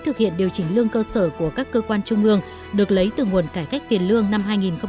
thực hiện điều chỉnh lương cơ sở của các cơ quan trung ương được lấy từ nguồn cải cách tiền lương năm hai nghìn một mươi chín